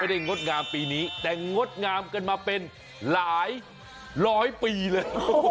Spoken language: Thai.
งดงามปีนี้แต่งดงามกันมาเป็นหลายร้อยปีเลย